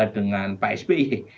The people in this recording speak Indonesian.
dengan pak sby